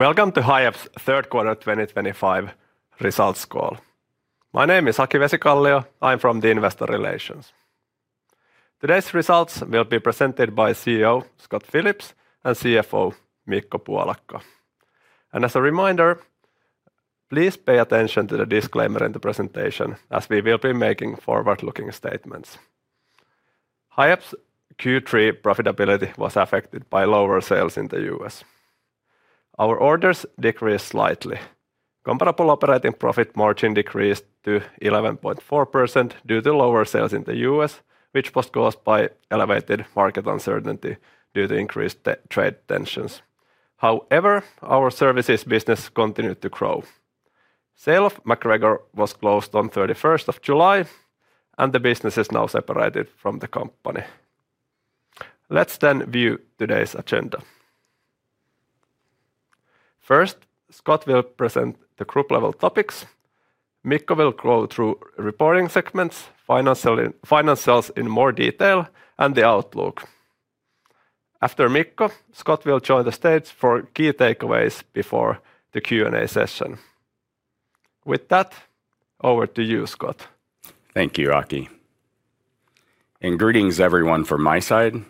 Welcome to Hiab's third quarter 2025 results call. My name is Aki Vesikallio. I'm from Investor Relations. Today's results will be presented by CEO Scott Phillips and CFO Mikko Puolakka. As a reminder, please pay attention to the disclaimer in the presentation as we will be making forward-looking statements. Hiab's Q3 profitability was affected by lower sales in the U.S. Our orders decreased slightly. Comparable operating profit margin decreased to 11.4% due to lower sales in the U.S., which was caused by elevated market uncertainty due to increased trade tensions. However, our services business continued to grow. Sale of MacGregor was closed on 31st of July, and the business is now separated from the company. Let's then view today's agenda. First, Scott will present the group level topics. Mikko will go through reporting segments, finance, sales in more detail, and the outlook. After Mikko, Scott will join the stage for key takeaways before the Q&A session. With that, over to you, Scott. Thank you, Aki. Greetings everyone from my side.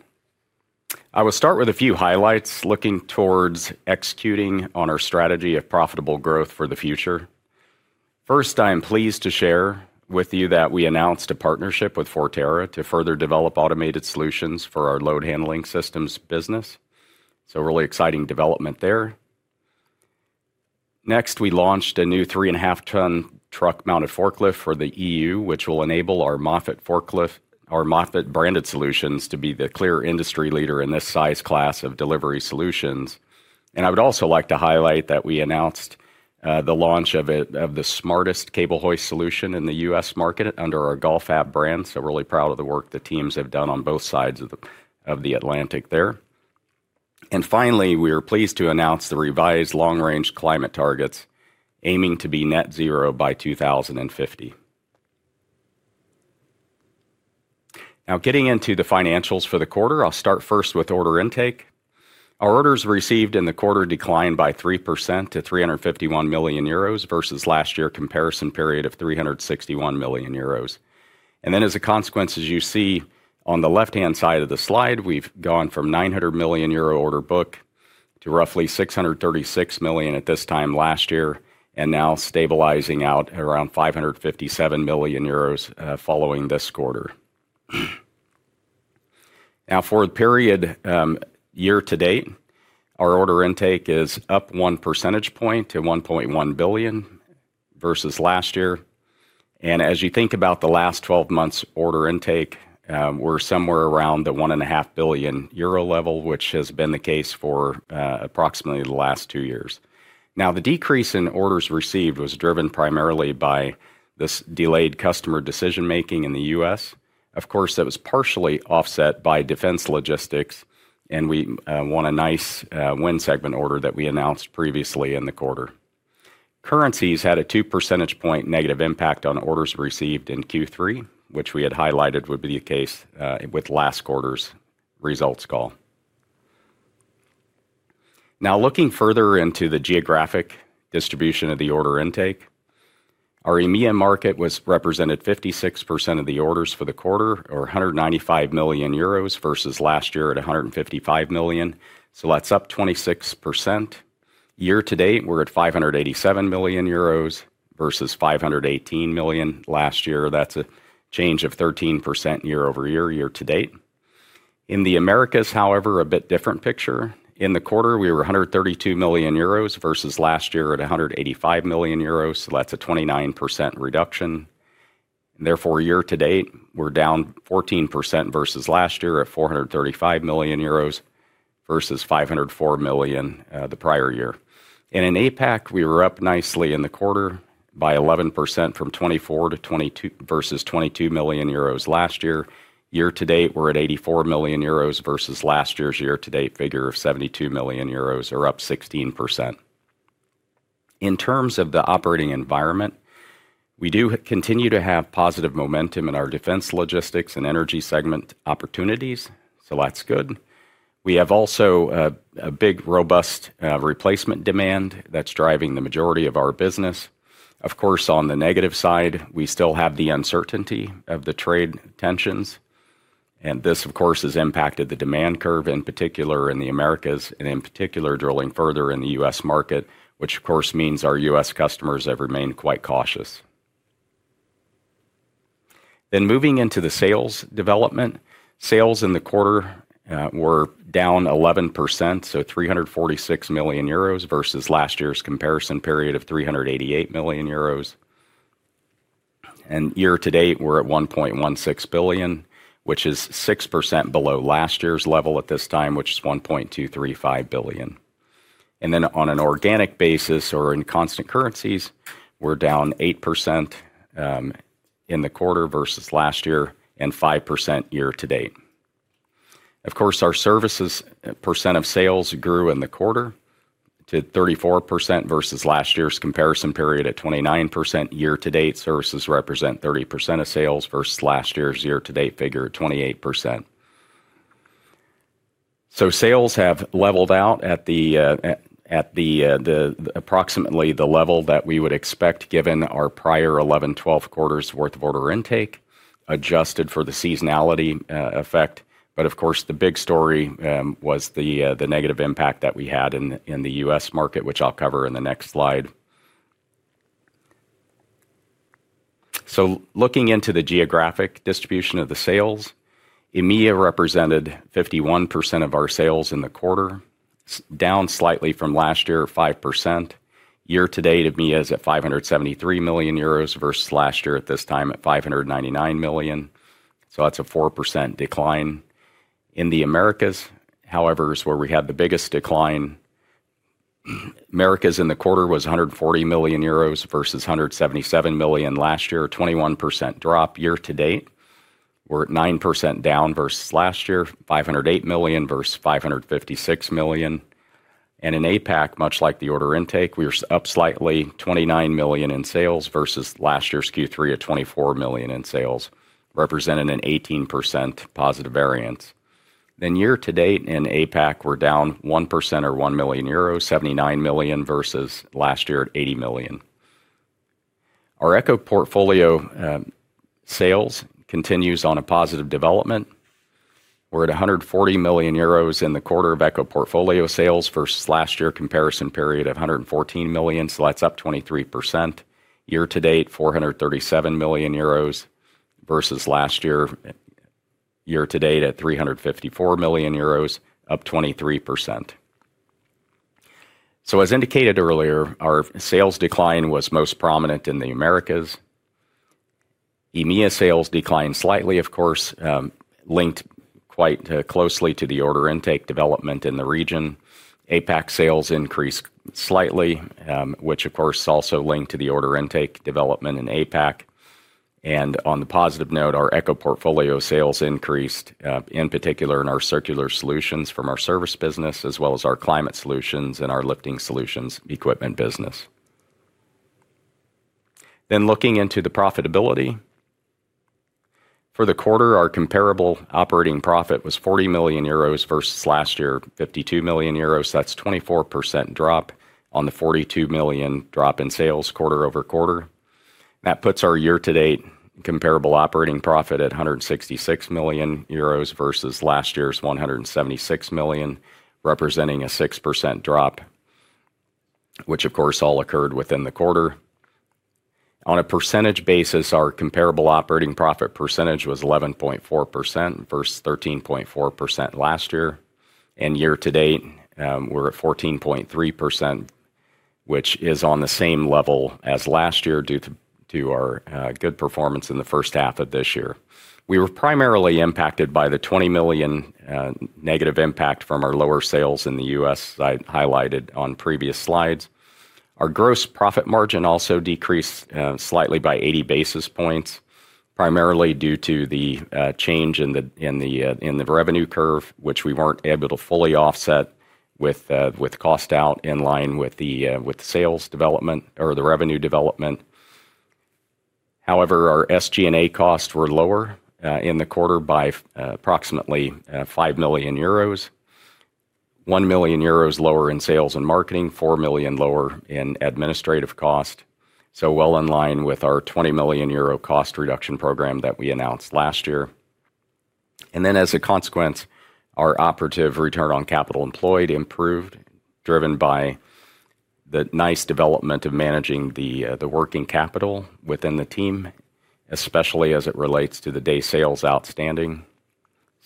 I will start with a few highlights looking towards executing on our strategy of profitable growth for the future. First, I am pleased to share with you that we announced a partnership with Forterra to further develop automated solutions for our load handling systems business. Really exciting development there. Next, we launched a new 3.5-ton truck mounted forklift for the EU, which will enable our MOFFETT branded solutions to be the clear industry leader in this size class of delivery solutions. I would also like to highlight that we announced the launch of the smartest cable hoist solution in the U.S. market under our GALFAB brand. Really proud of the work the teams have done on both sides of the Atlantic there. Finally, we are pleased to announce the revised long-range climate targets, aiming to be net zero by 2050. Now, getting into the financials for the quarter, I'll start first with order intake. Our orders received in the quarter declined by 3% to 351 million euros versus last year's comparison period of 361 million euros. As a consequence, as you see on the left-hand side of the slide, we've gone from a 900 million euro order book to roughly 636 million at this time last year, and now stabilizing out at around 557 million euros following this quarter. For the period year-to-date, our order intake is up 1% to 1.1 billion versus last year. As you think about the last 12 months' order intake, we're somewhere around the 1.5 billion euro level, which has been the case for approximately the last two years. The decrease in orders received was driven primarily by this delayed customer decision-making in the U.S. It was partially offset by defense logistics, and we won a nice win segment order that we announced previously in the quarter. Currencies had a 2% negative impact on orders received in Q3, which we had highlighted would be the case with last quarter's results call. Looking further into the geographic distribution of the order intake, our EMEA market represented 56% of the orders for the quarter, or 195 million euros versus last year at 155 million. That's up 26%. Year-to-date, we're at 587 million euros versus 518 million last year. That's a change of 13% year-over-year, year-to-date. In the Americas, however, a bit different picture. In the quarter, we were 132 million euros versus last year at 185 million euros. That's a 29% reduction. Therefore, year-to-date, we're down 14% versus last year at 435 million euros versus 504 million the prior year. In APAC, we were up nicely in the quarter by 11% from [24 million] versus 22 million euros last year. Year-to-date, we're at 84 million euros versus last year's year-to-date figure of 72 million euros, or up 16%. In terms of the operating environment, we do continue to have positive momentum in our defense logistics and energy segment opportunities. That's good. We have also a big robust replacement demand that's driving the majority of our business. Of course, on the negative side, we still have the uncertainty of the trade tensions. This, of course, has impacted the demand curve in particular in the Americas, and in particular drilling further in the U.S. market, which means our U.S. customers have remained quite cautious. Moving into the sales development, sales in the quarter were down 11%, so 346 million euros versus last year's comparison period of 388 million euros. Year-to-date, we're at 1.16 billion, which is 6% below last year's level at this time, which is 1.235 billion. On an organic basis or in constant currencies, we're down 8% in the quarter versus last year and 5% year-to-date. Our services percent of sales grew in the quarter to 34% versus last year's comparison period at 29%. Year-to-date, services represent 30% of sales versus last year's year-to-date figure at 28%. Sales have leveled out at approximately the level that we would expect given our prior 11, 12 quarters' worth of order intake, adjusted for the seasonality effect. The big story was the negative impact that we had in the U.S. market, which I'll cover in the next slide. Looking into the geographic distribution of the sales, EMEA represented 51% of our sales in the quarter, down slightly from last year, 5%. Year-to-date, EMEA is at 573 million euros versus last year at this time at 599 million. That's a 4% decline. In the Americas, however, is where we had the biggest decline. Americas in the quarter was 140 million euros versus 177 million last year, a 21% drop year-to-date. We're at 9% down versus last year, 508 million versus 556 million. In APAC, much like the order intake, we were up slightly, 29 million in sales versus last year's Q3 at 24 million in sales, representing an 18% positive variance. Year-to-date in APAC, we're down 1% or 1 million euros, 79 million versus last year at 80 million. Our Eco portfolio sales continue on a positive development. We're at 140 million euros in the quarter of Eco portfolio sales versus last year's comparison period of 114 million. That's up 23%. Year-to-date, 437 million euros versus last year year-to-date at 354 million euros, up 23%. As indicated earlier, our sales decline was most prominent in the Americas. EMEA sales declined slightly, of course, linked quite closely to the order intake development in the region. APAC sales increased slightly, which of course is also linked to the order intake development in APAC. On a positive note, our Eco portfolio sales increased, in particular in our circular solutions from our service business, as well as our climate solutions and our lifting solutions equipment business. Looking into the profitability for the quarter, our comparable operating profit was 40 million euros versus last year, 52 million euros. That's a 24% drop on the 42 million drop in sales quarter-over-quarter. That puts our year-to-date comparable operating profit at 166 million euros versus last year's 176 million, representing a 6% drop, which of course all occurred within the quarter. On a percentage basis, our comparable operating profit percentage was 11.4% versus 13.4% last year. Year-to-date, we're at 14.3%, which is on the same level as last year due to our good performance in the first half of this year. We were primarily impacted by the 20 million negative impact from our lower sales in the U.S. I highlighted on previous slides. Our gross profit margin also decreased slightly by 80 basis points, primarily due to the change in the revenue curve, which we weren't able to fully offset with cost out in line with the sales development or the revenue development. However, our SG&A costs were lower in the quarter by approximately 5 million euros, 1 million euros lower in sales and marketing, 4 million lower in administrative cost, so well in line with our 20 million euro cost reduction program that we announced last year. As a consequence, our operative return on capital employed improved, driven by the nice development of managing the working capital within the team, especially as it relates to the day sales outstanding.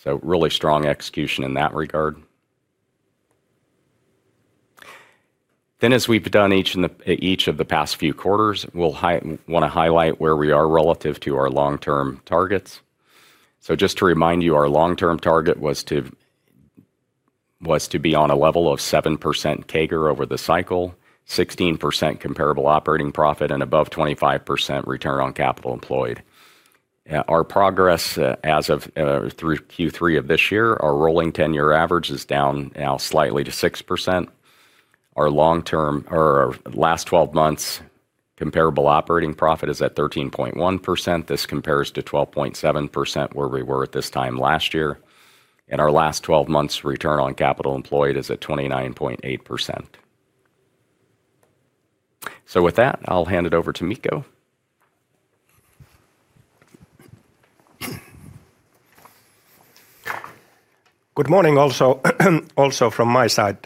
Really strong execution in that regard. As we've done each of the past few quarters, we want to highlight where we are relative to our long-term targets. Just to remind you, our long-term target was to be on a level of 7% CAGR over the cycle, 16% comparable operating profit, and above 25% return on capital employed. Our progress as of through Q3 of this year, our rolling 10-year average is down now slightly to 6%. Our long-term, or our last 12 months' comparable operating profit is at 13.1%. This compares to 12.7% where we were at this time last year. Our last 12 months' return on capital employed is at 29.8%. With that, I'll hand it over to Mikko. Good morning also from my side.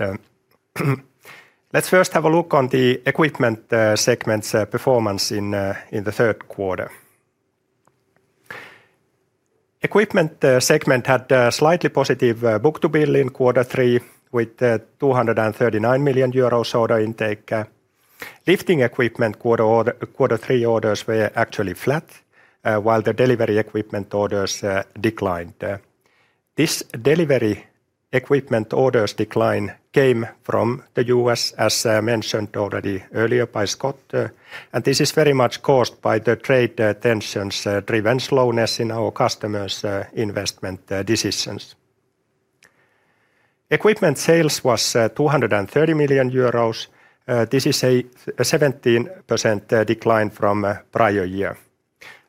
Let's first have a look on the equipment segment's performance in the third quarter. Equipment segment had a slightly positive book-to-bill in quarter three with 239 million euros order intake. Lifting equipment quarter three orders were actually flat, while the delivery equipment orders declined. This delivery equipment orders decline came from the U.S., as mentioned already earlier by Scott, and this is very much caused by the trade tensions-driven slowness in our customers' investment decisions. Equipment sales was 230 million euros. This is a 17% decline from the prior year.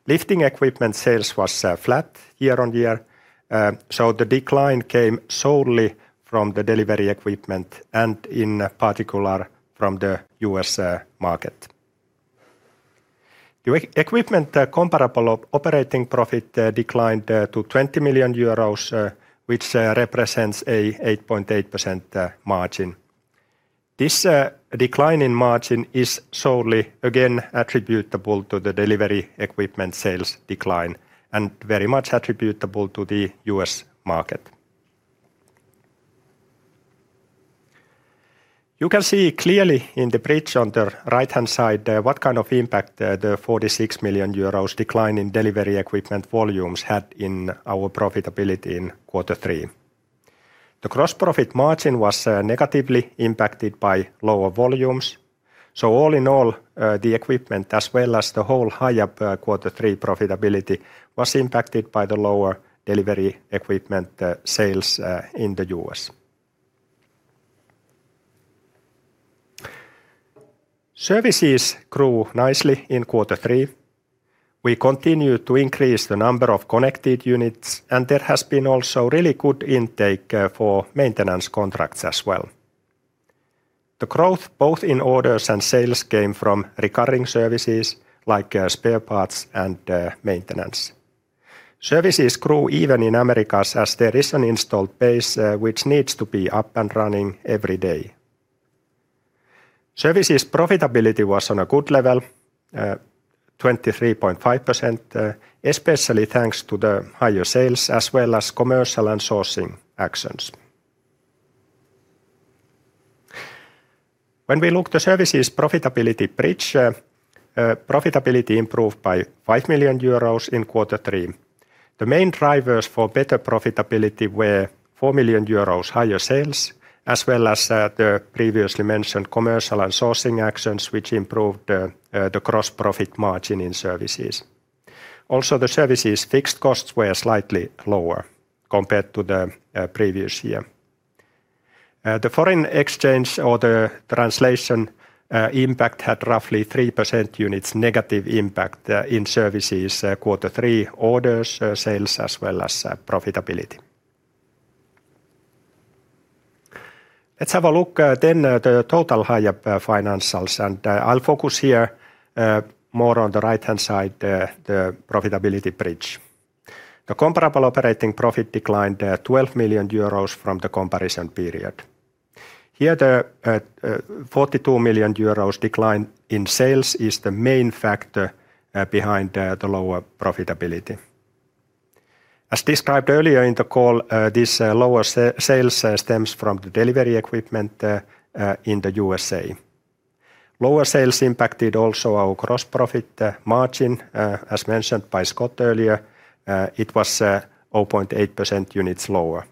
Lifting equipment sales was flat year-on-year. The decline came solely from the delivery equipment and in particular from the U.S. market. The equipment comparable operating profit declined to 20 million euros, which represents an 8.8% margin. This declining margin is solely, again, attributable to the delivery equipment sales decline and very much attributable to the U.S. market. You can see clearly in the bridge on the right-hand side what kind of impact the 46 million euros decline in delivery equipment volumes had in our profitability in quarter three. The gross profit margin was negatively impacted by lower volumes. All in all, the equipment as well as the whole Hiab quarter three profitability was impacted by the lower delivery equipment sales in the U.S. Services grew nicely in quarter three. We continued to increase the number of connected units, and there has been also really good intake for maintenance contracts as well. The growth both in orders and sales came from recurring services like spare parts and maintenance. Services grew even in Americas as there is an installed base which needs to be up and running every day. Services profitability was on a good level, 23.5%, especially thanks to the higher sales as well as commercial and sourcing actions. When we look at the services profitability bridge, profitability improved by 5 million euros in quarter three. The main drivers for better profitability were 4 million euros higher sales, as well as the previously mentioned commercial and sourcing actions, which improved the gross profit margin in services. Also, the services fixed costs were slightly lower compared to the previous year. The foreign exchange or the translation impact had roughly 3% units negative impact in services quarter three orders, sales, as well as profitability. Let's have a look at the total Hiab financials, and I'll focus here more on the right-hand side, the profitability bridge. The comparable operating profit declined 12 million euros from the comparison period. Here, the 42 million euros decline in sales is the main factor behind the lower profitability. As described earlier in the call, this lower sales stems from the delivery equipment in the U.S. Lower sales impacted also our gross profit margin, as mentioned by Scott earlier. It was 0.8% units lower.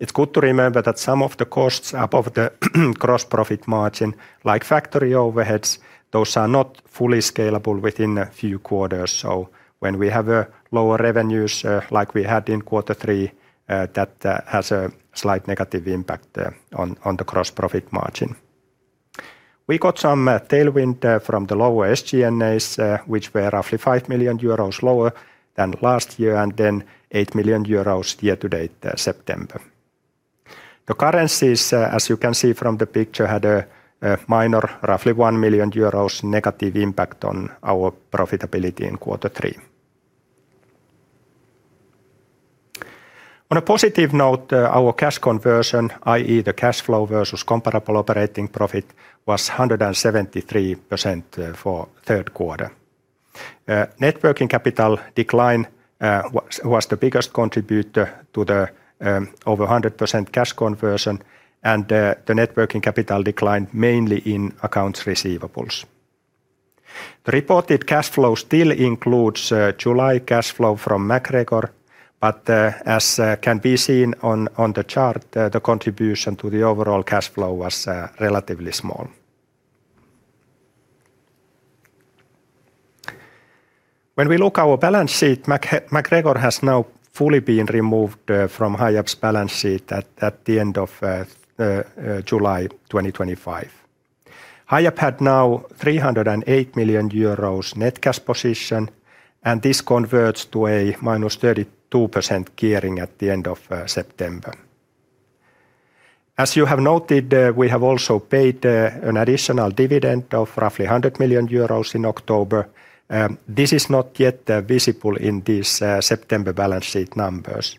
It's good to remember that some of the costs above the gross profit margin, like factory overheads, those are not fully scalable within a few quarters. When we have lower revenues like we had in quarter three, that has a slight negative impact on the gross profit margin. We got some tailwind from the lower SG&As, which were roughly 5 million euros lower than last year, and then 8 million euros year-to-date September. The currencies, as you can see from the picture, had a minor, roughly -1 million euros impact on our profitability in quarter three. On a positive note, our cash conversion, i.e. the cash flow versus comparable operating profit, was 173% for the third quarter. Networking capital decline was the biggest contributor to the over 100% cash conversion, and the networking capital declined mainly in accounts receivables. The reported cash flow still includes July cash flow from MacGregor, but as can be seen on the chart, the contribution to the overall cash flow was relatively small. When we look at our balance sheet, MacGregor has now fully been removed from Hiab's balance sheet at the end of July 2025. Hiab had now 308 million euros net cash position, and this converts to a -32% gearing at the end of September. As you have noted, we have also paid an additional dividend of roughly 100 million euros in October. This is not yet visible in these September balance sheet numbers.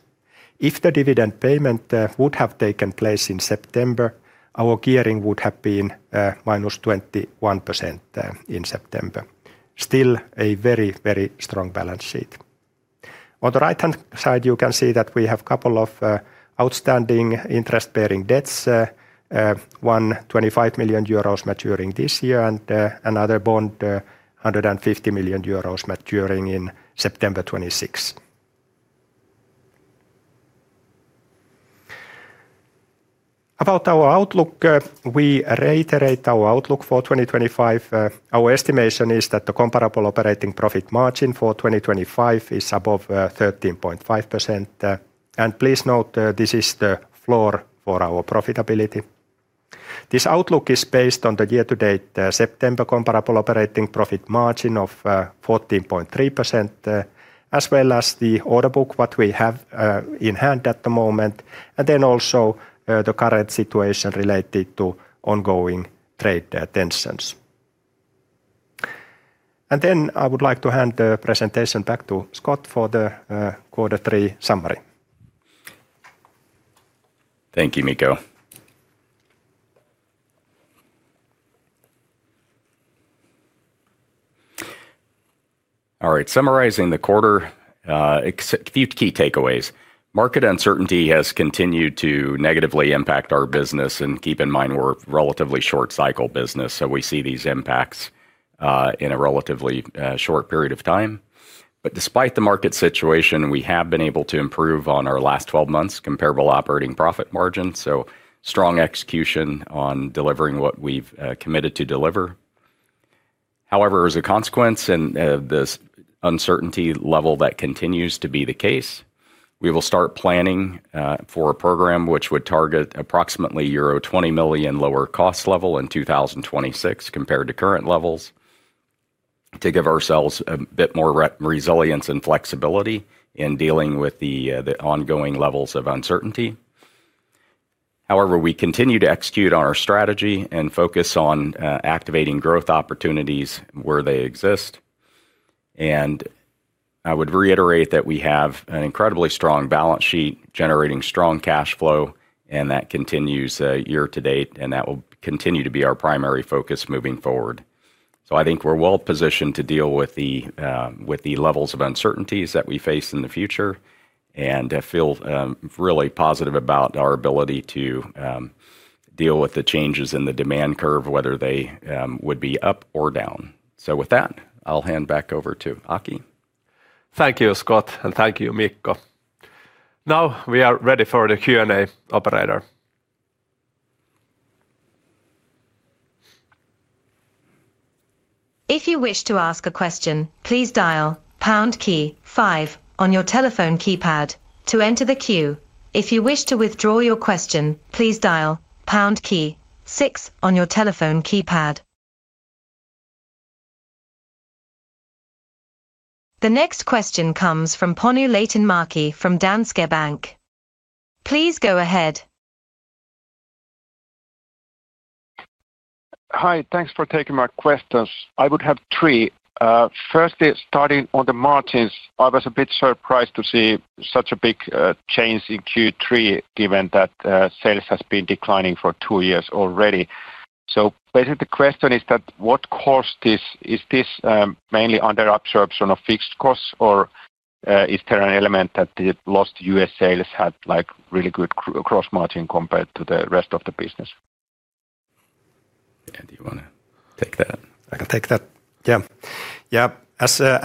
If the dividend payment would have taken place in September, our gearing would have been minus 21% in September. Still a very, very strong balance sheet. On the right-hand side, you can see that we have a couple of outstanding interest-bearing debts, one 25 million euros maturing this year and another bond 150 million euros maturing in September 2026. About our outlook, we reiterate our outlook for 2025. Our estimation is that the comparable operating profit margin for 2025 is above 13.5%. Please note, this is the floor for our profitability. This outlook is based on the year-to-date September comparable operating profit margin of 14.3%, as well as the order book we have in hand at the moment, and also the current situation related to ongoing trade tensions. I would like to hand the presentation back to Scott for the quarter three summary. Thank you, Mikko. All right, summarizing the quarter, a few key takeaways. Market uncertainty has continued to negatively impact our business, and keep in mind we're a relatively short cycle business, so we see these impacts in a relatively short period of time. Despite the market situation, we have been able to improve on our last 12 months' comparable operating profit margin, so strong execution on delivering what we've committed to deliver. However, as a consequence and the uncertainty level that continues to be the case, we will start planning for a program which would target approximately euro 20 million lower cost level in 2026 compared to current levels to give ourselves a bit more resilience and flexibility in dealing with the ongoing levels of uncertainty. We continue to execute on our strategy and focus on activating growth opportunities where they exist. I would reiterate that we have an incredibly strong balance sheet generating strong cash flow, and that continues year-to-date, and that will continue to be our primary focus moving forward. I think we're well positioned to deal with the levels of uncertainties that we face in the future and feel really positive about our ability to deal with the changes in the demand curve, whether they would be up or down. With that, I'll hand back over to Aki. Thank you, Scott, and thank you, Mikko. Now we are ready for the Q&A, operator. If you wish to ask a question, please dial pound key five on your telephone keypad to enter the queue. If you wish to withdraw your question, please dial pound key six on your telephone keypad. The next question comes from Panu Laitinmäki from Danske Bank. Please go ahead. Hi, thanks for taking my questions. I would have three. Firstly, starting on the margins, I was a bit surprised to see such a big change in Q3 given that sales have been declining for two years already. Basically, the question is what caused this? Is this mainly under-absorption of fixed costs, or is there an element that the lost U.S. sales had like really good gross margin compared to the rest of the business? Do you want to take that? I can take that. Yeah,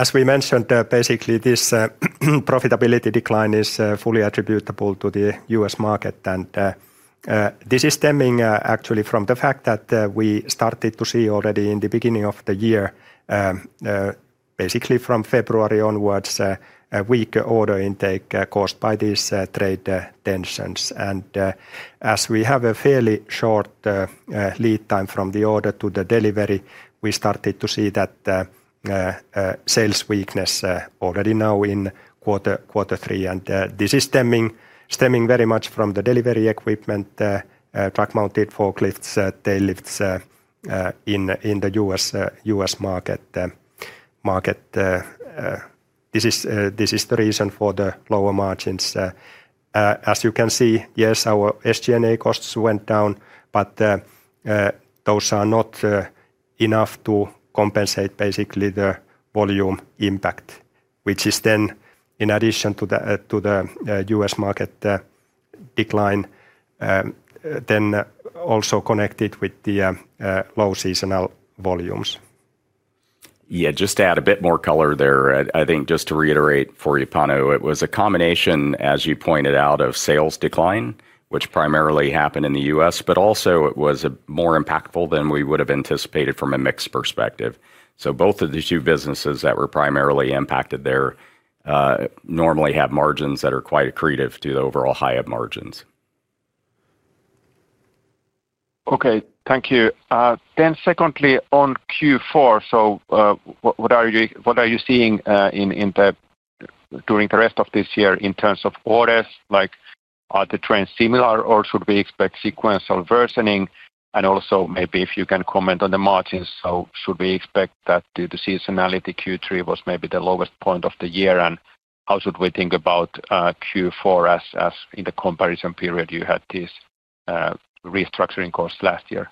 as we mentioned, basically this profitability decline is fully attributable to the U.S. market, and this is stemming actually from the fact that we started to see already in the beginning of the year, basically from February onwards, a weak order intake caused by these trade tensions. As we have a fairly short lead time from the order to the delivery, we started to see that sales weakness already now in quarter three, and this is stemming very much from the delivery equipment, truck mounted forklifts, tail lifts in the U.S. market. This is the reason for the lower margins. As you can see, yes, our SG&A costs went down, but those are not enough to compensate basically the volume impact, which is then in addition to the U.S. market decline, also connected with the low seasonal volumes. Yeah, just to add a bit more color there, I think just to reiterate for you, Panu, it was a combination, as you pointed out, of sales decline, which primarily happened in the U.S., but also it was more impactful than we would have anticipated from a mixed perspective. Both of the two businesses that were primarily impacted there normally have margins that are quite accretive to the overall Hiab margins. Okay, thank you. Secondly, on Q4, what are you seeing during the rest of this year in terms of orders? Are the trends similar or should we expect sequential worsening? Also, maybe if you can comment on the margins, should we expect that the seasonality in Q3 was maybe the lowest point of the year? How should we think about Q4 as in the comparison period you had this restructuring course last year?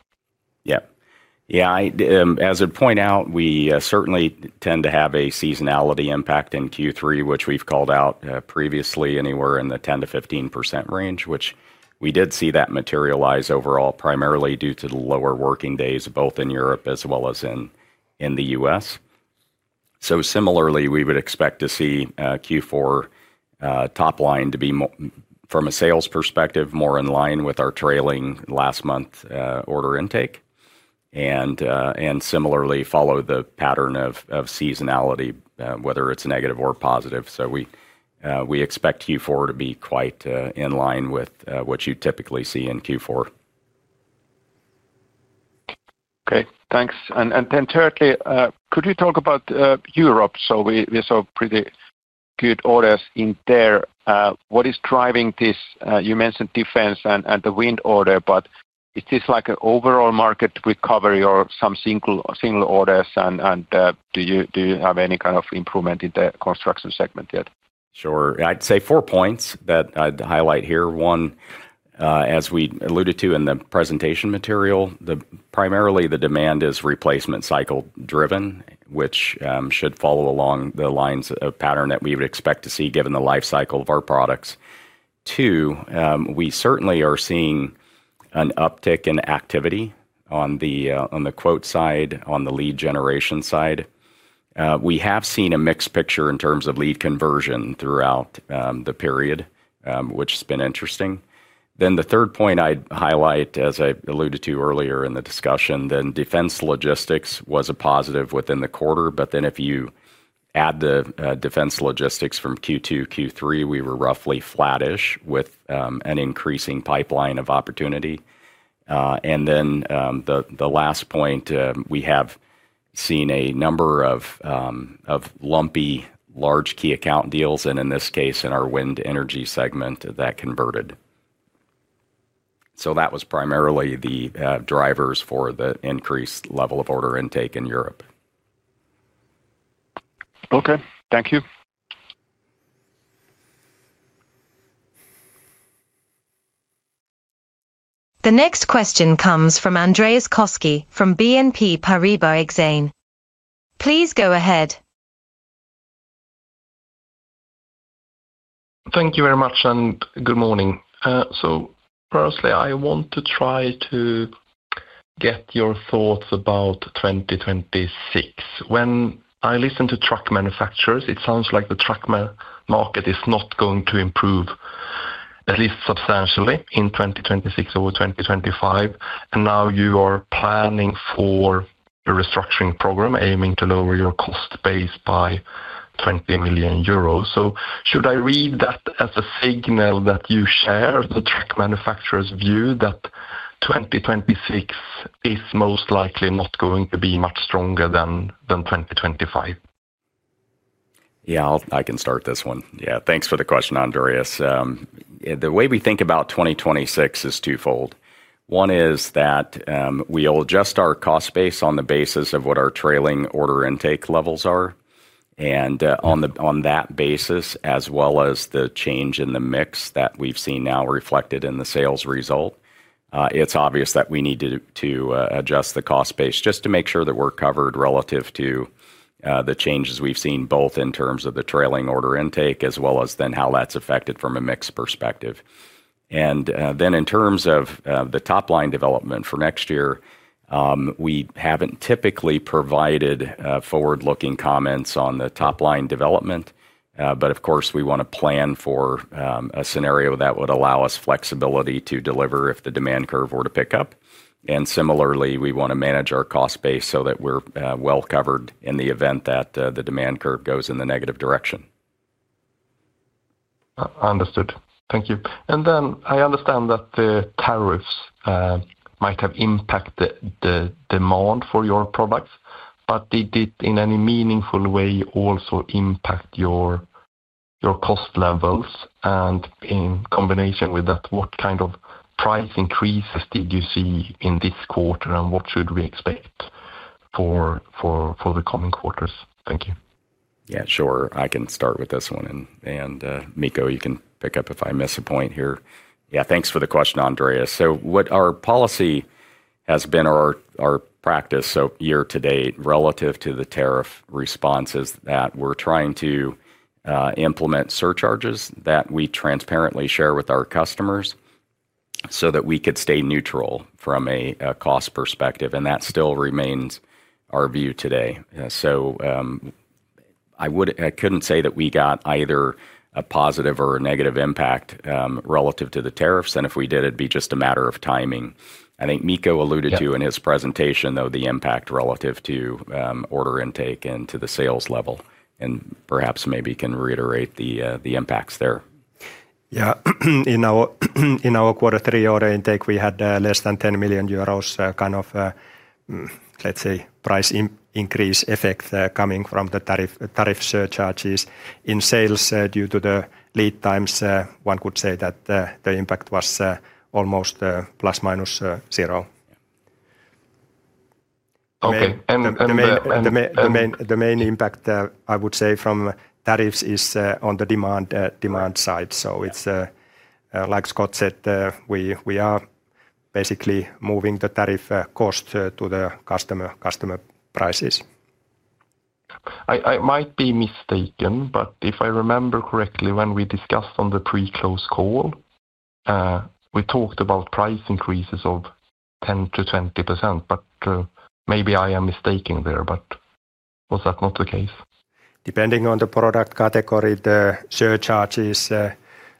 As I point out, we certainly tend to have a seasonality impact in Q3, which we've called out previously anywhere in the 10%-15% range, which we did see that materialize overall primarily due to the lower working days both in Europe as well as in the U.S. Similarly, we would expect to see Q4 top line to be from a sales perspective more in line with our trailing last month order intake and similarly follow the pattern of seasonality, whether it's negative or positive. We expect Q4 to be quite in line with what you typically see in Q4. Okay, thanks. Thirdly, could you talk about Europe? We saw pretty good orders in there. What is driving this? You mentioned defense and the wind order, but is this like an overall market recovery or some single orders? Do you have any kind of improvement in the construction segment yet? Sure, I'd say four points that I'd highlight here. One, as we alluded to in the presentation material, primarily the demand is replacement cycle driven, which should follow along the lines of pattern that we would expect to see given the life cycle of our products. Two, we certainly are seeing an uptick in activity on the quote side, on the lead generation side. We have seen a mixed picture in terms of lead conversion throughout the period, which has been interesting. The third point I'd highlight, as I alluded to earlier in the discussion, is that defense logistics was a positive within the quarter. If you add the defense logistics from Q2 to Q3, we were roughly flattish with an increasing pipeline of opportunity. The last point, we have seen a number of lumpy large key account deals, and in this case, in our wind energy segment that converted. That was primarily the driver for the increased level of order intake in Europe. Okay, thank you. The next question comes from Andreas Koski from BNP Paribas Exane. Please go ahead. Thank you very much and good morning. Firstly, I want to try to get your thoughts about 2026. When I listen to truck manufacturers, it sounds like the truck market is not going to improve at least substantially in 2026 or 2025. You are now planning for a restructuring program aiming to lower your cost base by 20 million euros. Should I read that as a signal that you share the truck manufacturers' view that 2026 is most likely not going to be much stronger than 2025? I can start this one. Thanks for the question, Andreas. The way we think about 2026 is twofold. One is that we will adjust our cost base on the basis of what our trailing order intake levels are. On that basis, as well as the change in the mix that we've seen now reflected in the sales result, it's obvious that we need to adjust the cost base just to make sure that we're covered relative to the changes we've seen both in terms of the trailing order intake as well as how that's affected from a mix perspective. In terms of the top line development for next year, we haven't typically provided forward-looking comments on the top line development. Of course, we want to plan for a scenario that would allow us flexibility to deliver if the demand curve were to pick up. Similarly, we want to manage our cost base so that we're well covered in the event that the demand curve goes in the negative direction. Understood. Thank you. I understand that the tariffs might have impacted the demand for your products, but did it in any meaningful way also impact your cost levels? In combination with that, what kind of price increases did you see in this quarter and what should we expect for the coming quarters? Thank you. Yeah, sure. I can start with this one. Mikko, you can pick up if I miss a point here. Thanks for the question, Andreas. What our policy has been or our practice year-to-date relative to the tariff response is that we're trying to implement surcharges that we transparently share with our customers so that we could stay neutral from a cost perspective. That still remains our view today. I couldn't say that we got either a positive or a negative impact relative to the tariffs. If we did, it'd be just a matter of timing. I think Mikko alluded to in his presentation the impact relative to order intake and to the sales level. Perhaps you can reiterate the impacts there. In our quarter three order intake, we had less than 10 million euros, let's say, price increase effect coming from the tariff surcharges. In sales, due to the lead times, one could say that the impact was almost ±0. The main impact I would say from tariffs is on the demand side. It's like Scott said, we are basically moving the tariff cost to the customer prices. I might be mistaken, but if I remember correctly, when we discussed on the pre-close call, we talked about price increases of 10%-20%. Maybe I am mistaken there, but was that not the case? Depending on the product category, the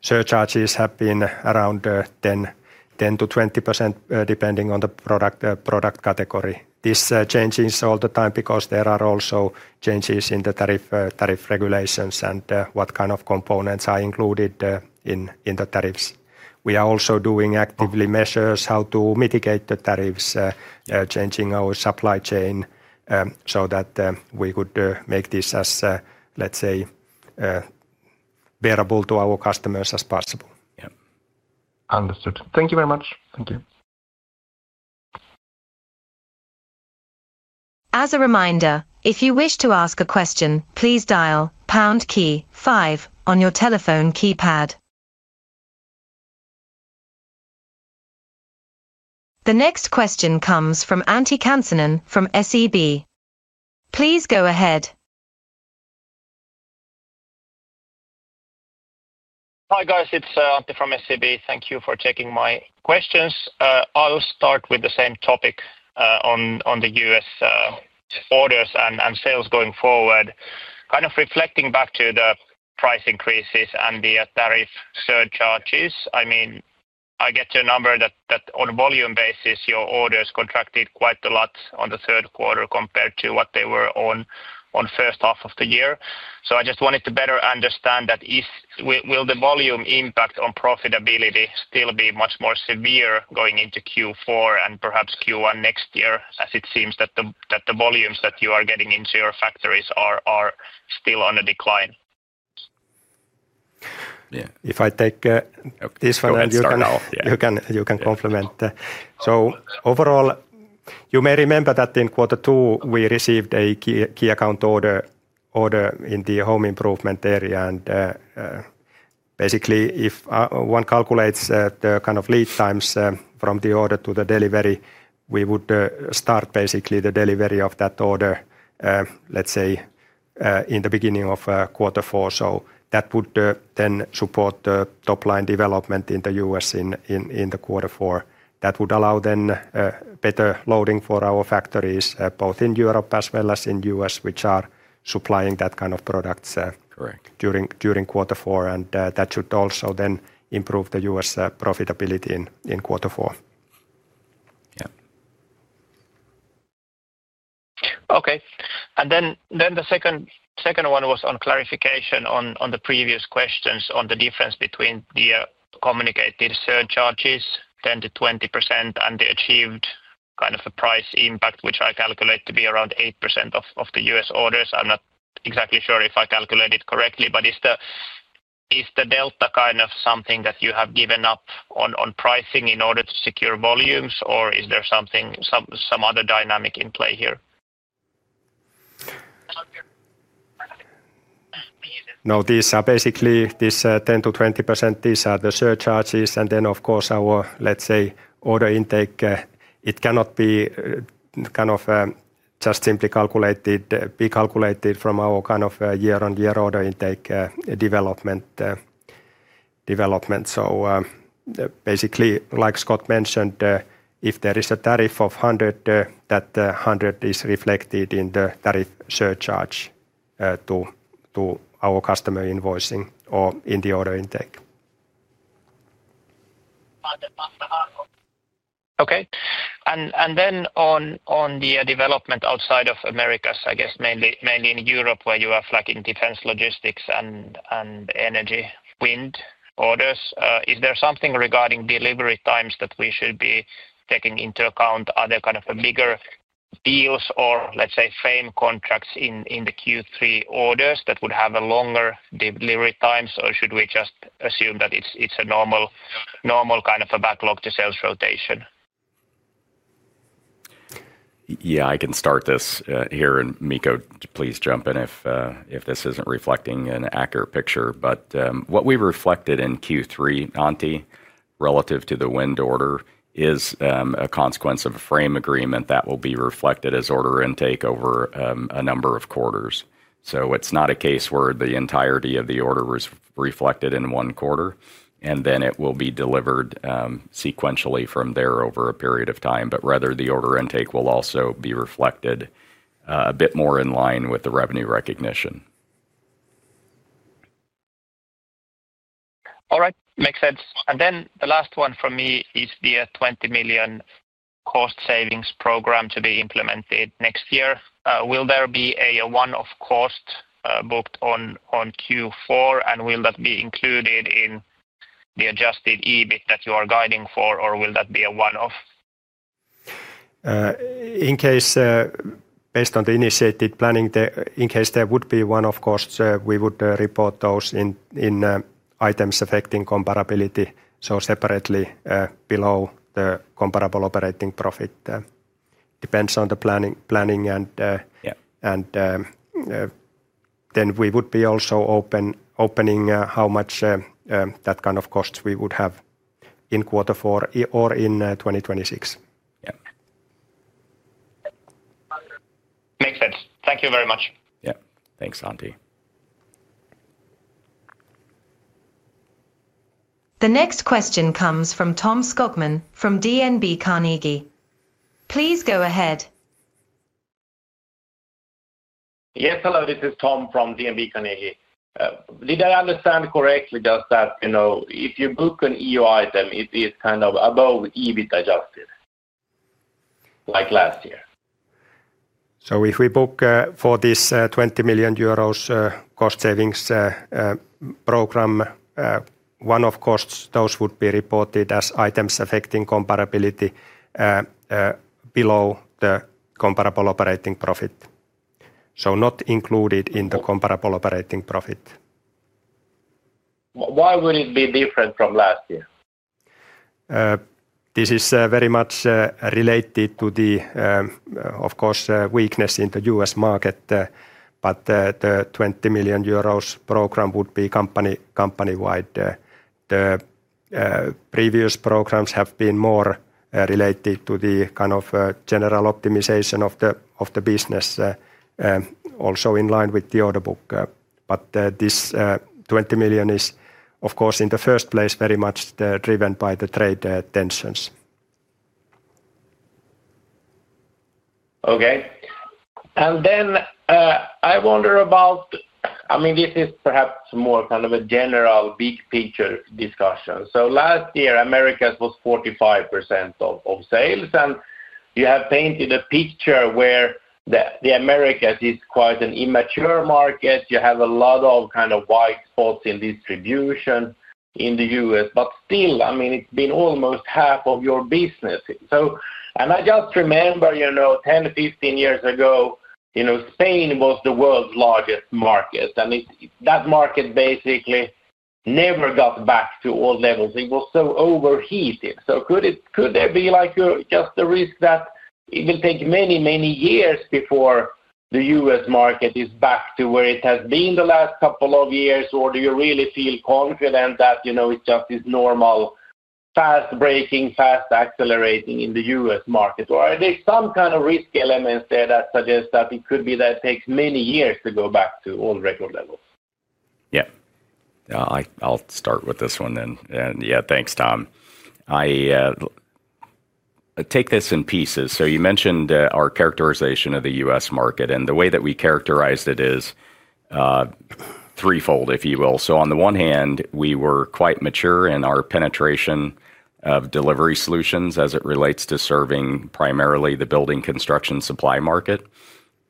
surcharges have been around 10%-20% depending on the product category. This changes all the time because there are also changes in the tariff regulations and what kind of components are included in the tariffs. We are also doing actively measures how to mitigate the tariffs, changing our supply chain so that we could make this as, let's say, bearable to our customers as possible. Yeah, understood. Thank you very much. Thank you. As a reminder, if you wish to ask a question, please dial pound key five on your telephone keypad. The next question comes from Antti Kansanen from SEB. Please go ahead. Hi guys, it's Antti from SEB. Thank you for taking my questions. I'll start with the same topic on the U.S. orders and sales going forward. Kind of reflecting back to the price increases and the tariff surcharges, I mean, I get to a number that on a volume basis, your orders contracted quite a lot in the third quarter compared to what they were in the first half of the year. I just wanted to better understand that. Will the volume impact on profitability still be much more severe going into Q4 and perhaps Q1 next year, as it seems that the volumes that you are getting into your factories are still on a decline? Yeah, if I take this one and you can complement. Overall, you may remember that in quarter two, we received a key account order in the home improvement area. Basically, if one calculates the kind of lead times from the order to the delivery, we would start basically the delivery of that order, let's say, in the beginning of quarter four. That would then support the top line development in the U.S. in the quarter four. That would allow better loading for our factories, both in Europe as well as in the U.S., which are supplying that kind of products during quarter four. That should also then improve the U.S. profitability in quarter four. Okay. The second one was on clarification on the previous questions on the difference between the communicated surcharges, 10%-20%, and the achieved kind of a price impact, which I calculate to be around 8% of the U.S. orders. I'm not exactly sure if I calculated correctly, but is the delta kind of something that you have given up on pricing in order to secure volumes, or is there some other dynamic in play here? No, these are basically these 10%-20%. These are the surcharges. Of course, our, let's say, order intake, it cannot be kind of just simply calculated, be calculated from our kind of year-on-year order intake development. Basically, like Scott mentioned, if there is a tariff of $100, that $100 is reflected in the tariff surcharge to our customer invoicing or in the order intake. Okay. Then on the development outside of Americas, I guess mainly in Europe where you are flagging defense logistics and energy wind orders, is there something regarding delivery times that we should be taking into account, other kind of bigger deals or, let's say, frame contracts in the Q3 orders that would have longer delivery times, or should we just assume that it's a normal kind of a backlog to sales rotation? I can start this here. Mikko, please jump in if this isn't reflecting an accurate picture. What we reflected in Q3, Antti, relative to the wind order, is a consequence of a frame agreement that will be reflected as order intake over a number of quarters. It's not a case where the entirety of the order is reflected in one quarter, and then it will be delivered sequentially from there over a period of time. Rather, the order intake will also be reflected a bit more in line with the revenue recognition. All right, makes sense. The last one for me is the $20 million cost savings program to be implemented next year. Will there be a one-off cost booked on Q4, and will that be included in the adjusted EBIT that you are guiding for, or will that be a one-off? Based on the initiated planning, in case there would be one-off costs, we would report those in items affecting comparability, separately below the comparable operating profit, depends on the planning. We would also be opening how much that kind of costs we would have in quarter four or in 2026. Yeah, makes sense. Thank you very much. Yeah, thanks, Antti. The next question comes from Tom Skogman from DNB Carnegie. Please go ahead. Yes, hello, this is Tom from DNB Carnegie. Did I understand correctly just that, you know, if you book an EU item, it is kind of above EBIT adjusted, like last year? If we book for this 20 million euros cost savings program, one-off costs would be reported as items affecting comparability below the comparable operating profit, so not included in the comparable operating profit. Why would it be different from last year? This is very much related to, of course, weakness in the U.S. market. The 20 million euros program would be company-wide. The previous programs have been more related to the kind of general optimization of the business, also in line with the order book. This 20 million is, of course, in the first place, very much driven by the trade tensions. Okay. I wonder about, I mean, this is perhaps more kind of a general big picture discussion. Last year, Americas was 45% of sales. You have painted a picture where the Americas is quite an immature market. You have a lot of kind of white spots in distribution in the U.S. Still, it's been almost half of your business. I just remember, you know, 10, 15 years ago, Spain was the world's largest market. That market basically never got back to all levels. It was so overheated. Could there be just a risk that it will take many, many years before the U.S. market is back to where it has been the last couple of years? Or do you really feel confident that it's just this normal fast breaking, fast accelerating in the U.S. market? Are there some kind of risk elements there that suggest that it could be that it takes many years to go back to all record levels? Yeah, I'll start with this one then. Yeah, thanks, Tom. I take this in pieces. You mentioned our characterization of the U.S. market. The way that we characterized it is threefold, if you will. On the one hand, we were quite mature in our penetration of delivery solutions as it relates to serving primarily the building construction supply market.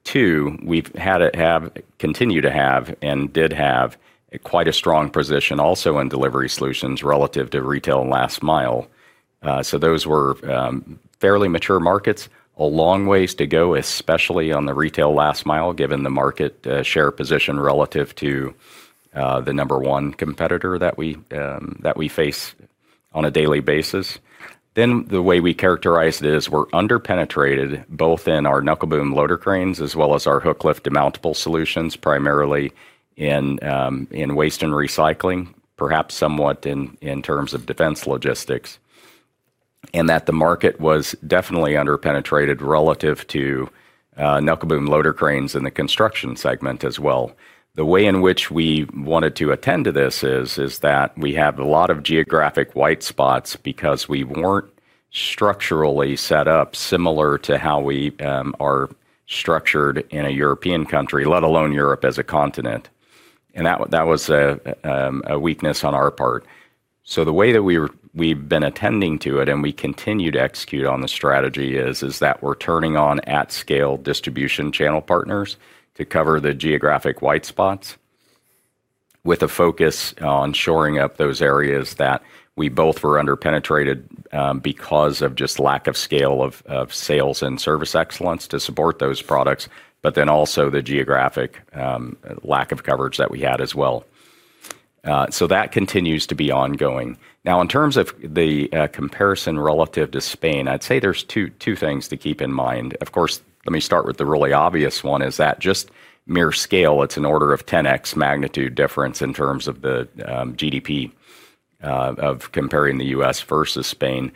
Two, we've had to have continued to have and did have quite a strong position also in delivery solutions relative to retail and last mile. Those were fairly mature markets, a long ways to go, especially on the retail last mile, given the market share position relative to the number one competitor that we face on a daily basis. The way we characterize this is we're underpenetrated both in our knuckle boom loader cranes as well as our hook lift demountable solutions, primarily in waste and recycling, perhaps somewhat in terms of defense logistics. The market was definitely underpenetrated relative to knuckle boom loader cranes in the construction segment as well. The way in which we wanted to attend to this is that we have a lot of geographic white spots because we weren't structurally set up similar to how we are structured in a European country, let alone Europe as a continent. That was a weakness on our part. The way that we've been attending to it and we continue to execute on the strategy is that we're turning on at-scale distribution channel partners to cover the geographic white spots with a focus on shoring up those areas that we both were underpenetrated because of just lack of scale of sales and service excellence to support those products, but also the geographic lack of coverage that we had as well. That continues to be ongoing. In terms of the comparison relative to Spain, I'd say there's two things to keep in mind. Of course, let me start with the really obvious one, just mere scale, it's an order of 10x magnitude difference in terms of the GDP of comparing the U.S. versus Spain.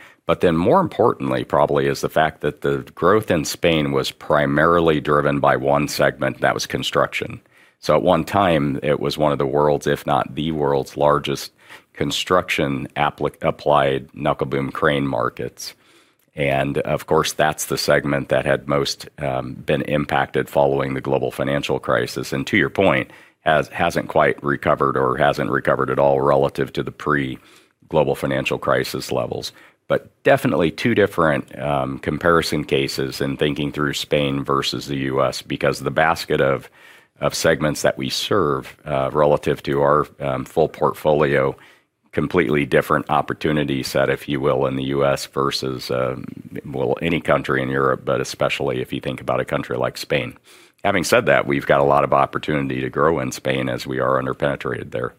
More importantly, probably is the fact that the growth in Spain was primarily driven by one segment and that was construction. At one time, it was one of the world's, if not the world's largest construction applied knuckle boom crane markets. Of course, that's the segment that had most been impacted following the global financial crisis. To your point, it hasn't quite recovered or hasn't recovered at all relative to the pre-global financial crisis levels. There are definitely two different comparison cases in thinking through Spain versus the U.S. because the basket of segments that we serve relative to our full portfolio is a completely different opportunity set, if you will, in the U.S. versus any country in Europe, but especially if you think about a country like Spain. Having said that, we've got a lot of opportunity to grow in Spain as we are underpenetrated there.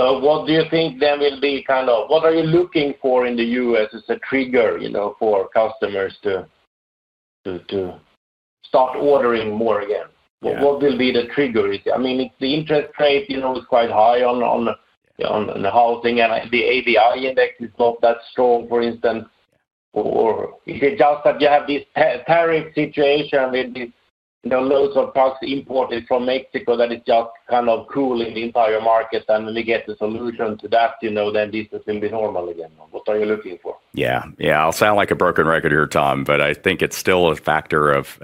What do you think will be, kind of, what are you looking for in the U.S. as a trigger for customers to start ordering more again? What will be the trigger? I mean, the interest rate is quite high on the housing and the AVI index is not that strong, for instance. Is it just that you have this tariff situation with loads of trucks imported from Mexico that's just kind of cooling the entire market, and if we get the solution to that, then business will be normal again? What are you looking for? Yeah, I'll sound like a broken record here, Tom, but I think it's still a factor of,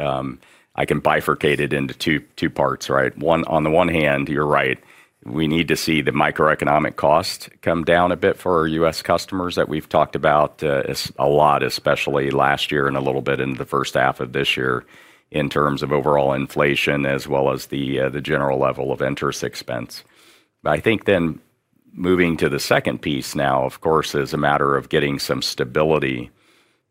I can bifurcate it into two parts, right? On the one hand, you're right. We need to see the microeconomic costs come down a bit for our U.S. customers that we've talked about a lot, especially last year and a little bit in the first half of this year in terms of overall inflation as well as the general level of interest expense. I think moving to the second piece now, of course, is a matter of getting some stability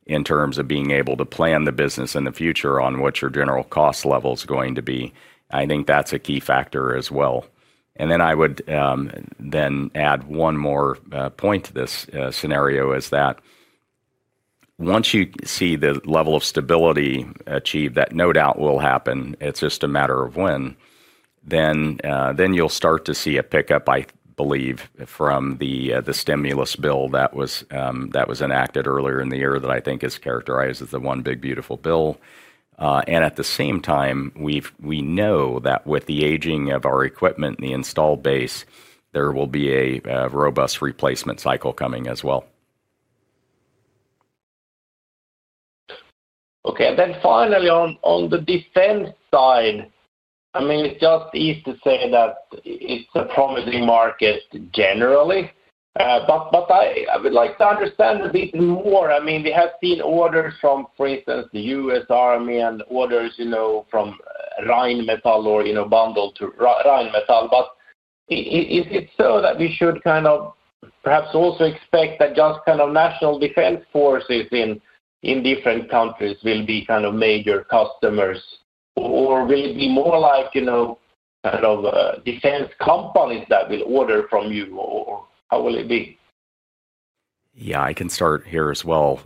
in terms of being able to plan the business in the future on what your general cost level is going to be. I think that's a key factor as well. I would then add one more point to this scenario, that once you see the level of stability achieved, that no doubt will happen. It's just a matter of when. You'll start to see a pickup, I believe, from the stimulus bill that was enacted earlier in the year that I think is characterized as the One Big Beautiful Bill. At the same time, we know that with the aging of our equipment and the install base, there will be a robust replacement cycle coming as well. Okay, and then finally on the defense side, it's just easy to say that it's a promising market generally. I would like to understand a bit more. We have seen orders from, for instance, the U.S. Army and orders from Rheinmetall or bundled to Rheinmetall. Is it so that we should perhaps also expect that just national defense forces in different countries will be major customers? Will it be more like defense companies that will order from you? How will it be? Yeah, I can start here as well.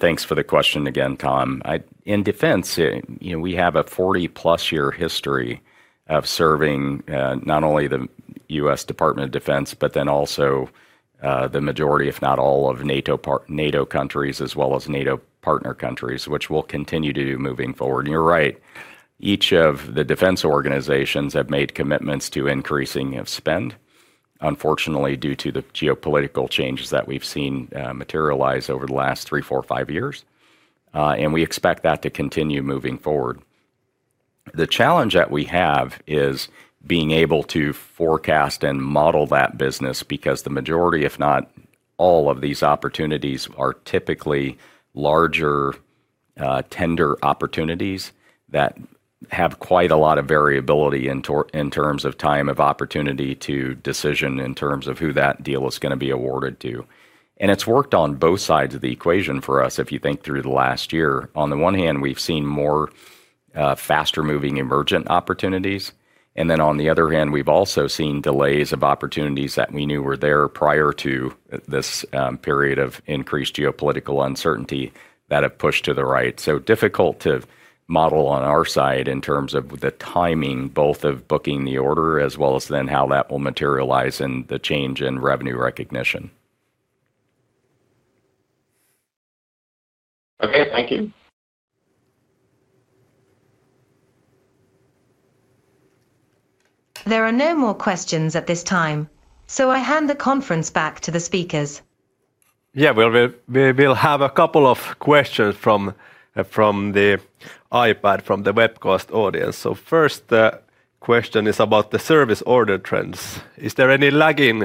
Thanks for the question again, Tom. In defense, we have a 40+ year history of serving not only the U.S. Department of Defense, but also the majority, if not all, of NATO countries as well as NATO partner countries, which we'll continue to do moving forward. You're right. Each of the defense organizations have made commitments to increasing spend, unfortunately, due to the geopolitical changes that we've seen materialize over the last three, four, five years. We expect that to continue moving forward. The challenge that we have is being able to forecast and model that business because the majority, if not all, of these opportunities are typically larger tender opportunities that have quite a lot of variability in terms of time of opportunity to decision in terms of who that deal is going to be awarded to. It's worked on both sides of the equation for us, if you think through the last year. On the one hand, we've seen more faster-moving emergent opportunities. On the other hand, we've also seen delays of opportunities that we knew were there prior to this period of increased geopolitical uncertainty that have pushed to the right. Difficult to model on our side in terms of the timing both of booking the order as well as then how that will materialize in the change in revenue recognition. Okay, thank you. There are no more questions at this time, so I hand the conference back to the speakers. We have a couple of questions from the iPad, from the webcast audience. The first question is about the service order trends. Is there any lagging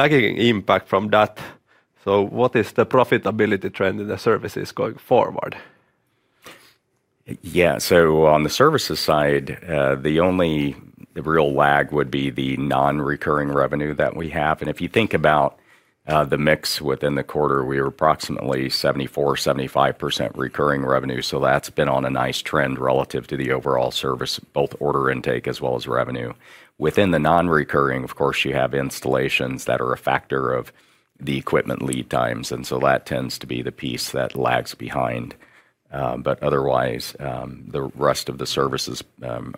impact from that? What is the profitability trend in the services going forward? Yeah, on the services side, the only real lag would be the non-recurring revenue that we have. If you think about the mix within the quarter, we are approximately 74%, 75% recurring revenue. That's been on a nice trend relative to the overall service, both order intake as well as revenue. Within the non-recurring, of course, you have installations that are a factor of the equipment lead times. That tends to be the piece that lags behind. Otherwise, the rest of the services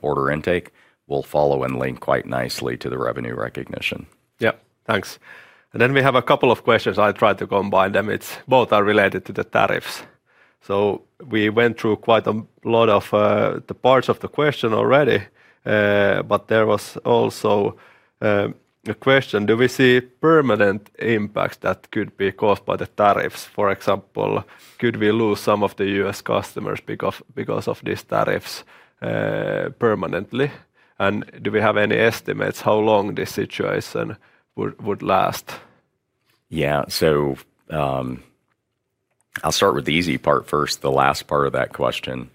order intake will follow and link quite nicely to the revenue recognition. Thank you. We have a couple of questions. I tried to combine them. Both are related to the tariffs. We went through quite a lot of the parts of the question already. There was also a question, do we see permanent impacts that could be caused by the tariffs? For example, could we lose some of the U.S. customers because of these tariffs permanently? Do we have any estimates how long this situation would last? I'll start with the easy part first, the last part of that question.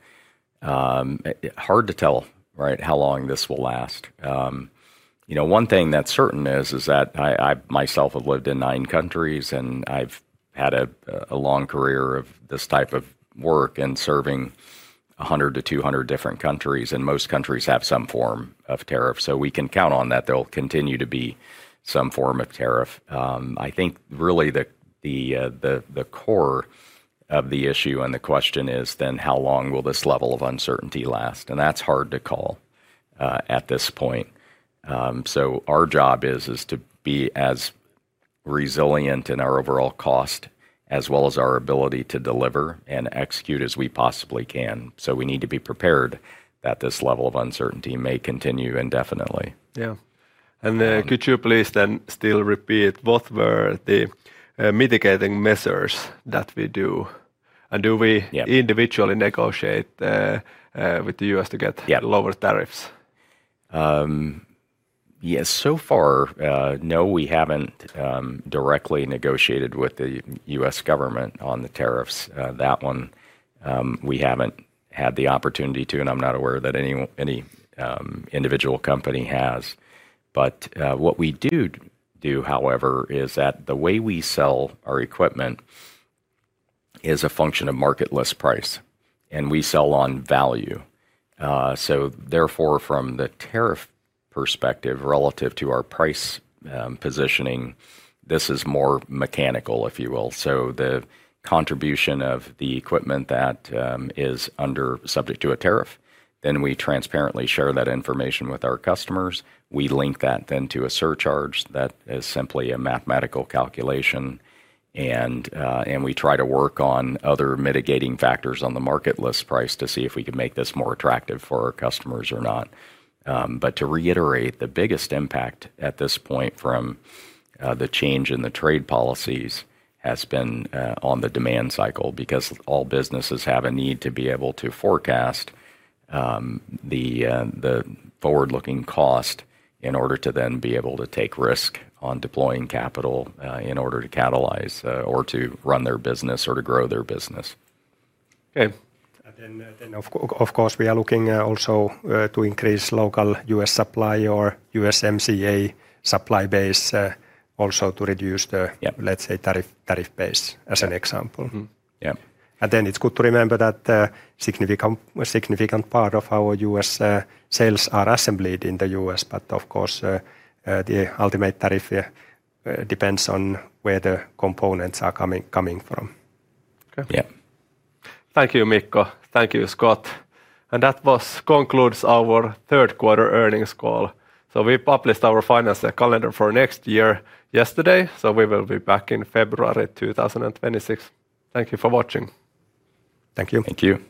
Hard to tell, right, how long this will last. One thing that's certain is that I myself have lived in nine countries and I've had a long career of this type of work and serving 100 to 200 different countries. Most countries have some form of tariff. We can count on that there will continue to be some form of tariff. I think really the core of the issue and the question is then how long will this level of uncertainty last. That's hard to call at this point. Our job is to be as resilient in our overall cost as well as our ability to deliver and execute as we possibly can. We need to be prepared that this level of uncertainty may continue indefinitely. Could you please then still repeat what were the mitigating measures that we do? Do we individually negotiate with the U.S. to get lower tariffs? Yes, so far, no, we haven't directly negotiated with the U.S. government on the tariffs. That one we haven't had the opportunity to, and I'm not aware that any individual company has. What we do, however, is that the way we sell our equipment is a function of market list price, and we sell on value. Therefore, from the tariff perspective, relative to our price positioning, this is more mechanical, if you will. The contribution of the equipment that is subject to a tariff, we transparently share that information with our customers. We link that to a surcharge that is simply a mathematical calculation. We try to work on other mitigating factors on the market list price to see if we can make this more attractive for our customers or not. To reiterate, the biggest impact at this point from the change in the trade policies has been on the demand cycle because all businesses have a need to be able to forecast the forward-looking cost in order to then be able to take risk on deploying capital in order to catalyze or to run their business or to grow their business. Okay. Of course, we are looking also to increase local U.S. supply or USMCA supply base also to reduce the, let's say, tariff base as an example. Yeah. It is good to remember that a significant part of our U.S. sales are assembled in the U.S. Of course, the ultimate tariff depends on where the components are coming from. Yeah. Thank you, Mikko. Thank you, Scott. That concludes our third quarter earnings call. We published our finance calendar for next year yesterday. We will be back in February 2026. Thank you for watching. Thank you. Thank you.